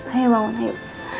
hayuk bangun hayuk